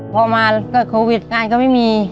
พอมาก็โควิดงานก็ไม่มี